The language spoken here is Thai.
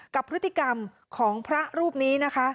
กับพฤติกรรมของพระรูปนี้นะคะ